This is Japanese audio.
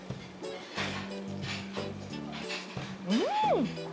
うん！